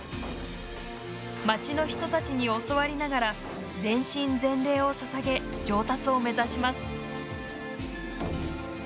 町の人たちに教わりながら全身全霊をささげ上達を目指します。